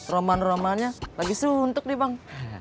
romanya romanya lagi suntuk bang